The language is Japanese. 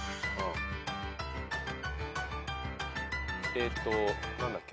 えっと何だっけ？